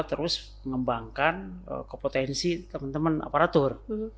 terus mengembangkan kompetensi teman teman aparatur